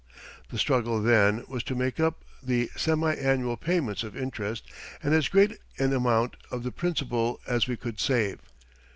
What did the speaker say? The struggle then was to make up the semi annual payments of interest and as great an amount of the principal as we could save.